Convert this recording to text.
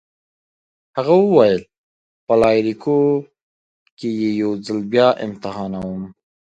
هغه وویل: په لایریکو کي يې یو ځل بیا امتحانوم.